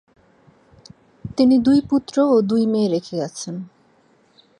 তিনি দুই পুত্র ও দুই মেয়ে রেখে গেছেন।